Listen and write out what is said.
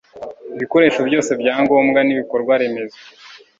ibikoresho byose byangombwa n'ibikorwa remezo